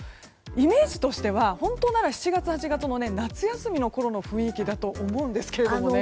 イメージとしては本当なら７月、８月の夏休みのころの雰囲気だと思うんですけどね。